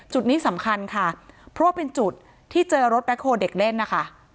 จุดนี้สำคัญค่ะเพราะว่าเป็นจุดที่เจอรถแคลเด็กเล่นนะคะ